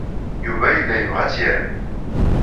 Yuba yella yebɣa ad tt-yarem.